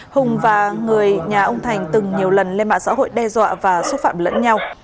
hùng và người nhà ông thành từng nhiều lần lên mạng xã hội đe dọa và xúc phạm lẫn nhau